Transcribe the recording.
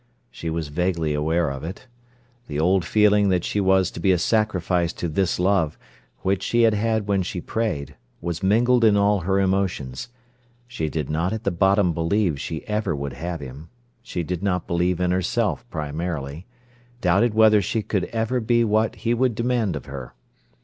She was vaguely aware of it. The old feeling that she was to be a sacrifice to this love, which she had had when she prayed, was mingled in all her emotions. She did not at the bottom believe she ever would have him. She did not believe in herself primarily: doubted whether she could ever be what he would demand of her.